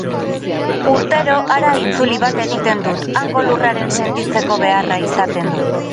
Urtero hara itzuli bat egiten dut, hango lurraren sentitzeko beharra izaten dut.